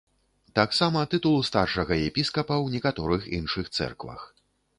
Таксама тытул старшага епіскапа ў некаторых іншых цэрквах.